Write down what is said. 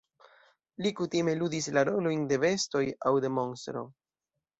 Li kutime ludis la rolojn de bestoj aŭ de monstro.